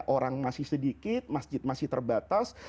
orang masih sedikit masjid masih terbatas